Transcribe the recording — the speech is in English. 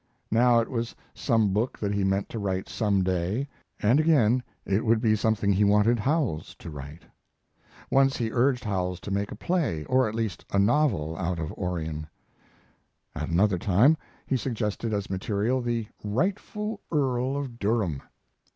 Now it was some book that he meant to write some day, and again it would be a something that he wanted Howells to write. Once he urged Howells to make a play, or at least a novel, out of Orion. At another time he suggested as material the "Rightful Earl of Durham."